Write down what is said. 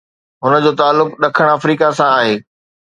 هن جو تعلق ڏکڻ آفريڪا سان آهي.